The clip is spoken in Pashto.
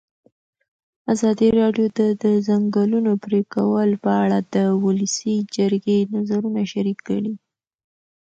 ازادي راډیو د د ځنګلونو پرېکول په اړه د ولسي جرګې نظرونه شریک کړي.